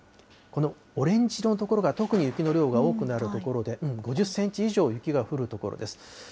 このオレンジの所が特に雪の量が多くなる所で、５０センチ以上雪が降る所です。